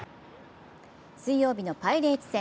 水曜日のパイレーツ戦。